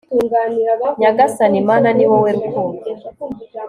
nyagasani mana, ni wowe rukundo